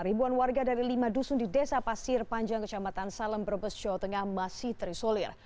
ribuan warga dari lima dusun di desa pasir panjang kecamatan salem brebes jawa tengah masih terisolir